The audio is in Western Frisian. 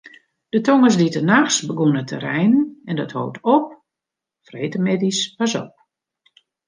De tongersdeitenachts begûn it te reinen en dat hold op freedtemiddei pas op.